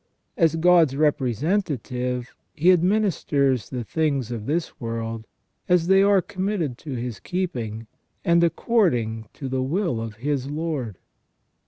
As God's representative he administers the things of this world, as they are committed to his keeping, and according to the will of his Lord.